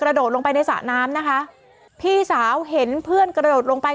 โดดลงไปในสระน้ำนะคะพี่สาวเห็นเพื่อนกระโดดลงไป